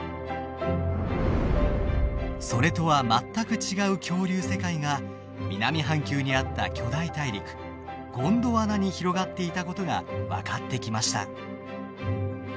それとは全く違う恐竜世界が南半球にあった巨大大陸ゴンドワナに広がっていたことが分かってきました。